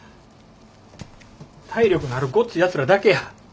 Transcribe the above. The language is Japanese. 体力のあるごっついやつらだけや。